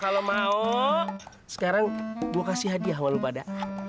kalau mau sekarang gua kasih hadiah walaupada